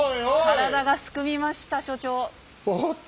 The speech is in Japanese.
体がすくみました所長。